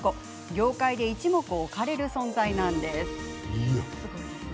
業界で一目置かれる存在なんです。